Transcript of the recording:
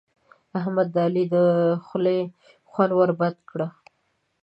احمد د علي د خولې خوند ور بد کړ.